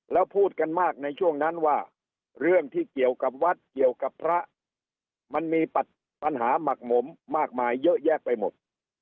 แล้วพูดกันมากในช่วงนั้นว่าเรื่องที่เกี่ยวกับวัดเกี่ยวกับพระมันมีปัญหาหมักหมมมากมายเยอะแยะไปหมด